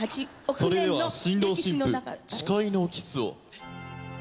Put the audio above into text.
それでは新郎新婦誓いのキスを。